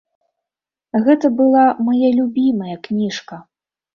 Гэта была мая любімая кніжка.